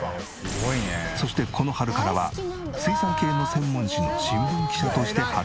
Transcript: そしてこの春からは水産系の専門紙の新聞記者として働く。